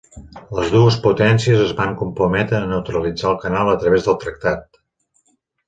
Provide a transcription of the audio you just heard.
Les dues potències es van comprometre a neutralitzar el canal a través del tractat.